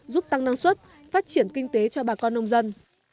giúp tăng năng suất phát triển kinh tế cho bà con nông dân